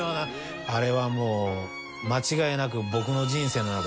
あれはもう間違いなく。